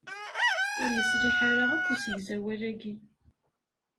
Ur yeṣliḥ ara akk usegzawal-aki.